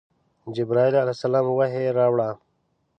جبرائیل علیه السلام وحی راوړ.